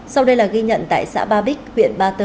sau đây là ghi nhận tại xã ba bích huyện ba tơ